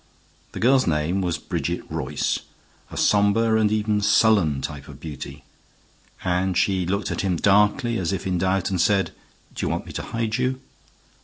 The girl's name was Bridget Royce, a somber and even sullen type of beauty, and she looked at him darkly, as if in doubt, and said, "Do you want me to hide you?"